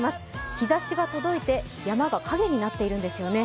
日ざしが届いて、山が影になっているんですよね。